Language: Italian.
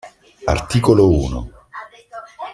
Articolo uno